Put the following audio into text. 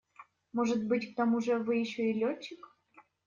Может быть, к тому же вы еще и летчик?